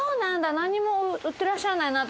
何も売ってらっしゃらないなと。